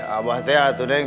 abah hati hati neng